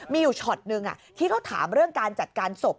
มีอยู่ช็อตนึงที่เขาถามเรื่องการจัดการศพ